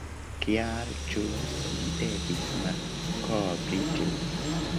Kial ĝuste li devis malkovri ĝin?